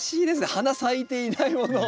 花咲いていないものを。